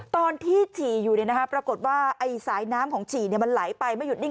ฉี่อยู่ปรากฏว่าสายน้ำของฉี่มันไหลไปไม่หยุดนิ่ง